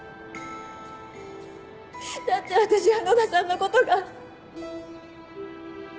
だって私は野田さんのことが。